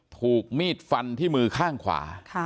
ถูกมีดฟันที่มือข้างขวา